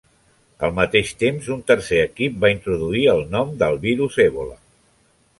Al mateix temps, un tercer equip va introduir el nom de virus Ebola.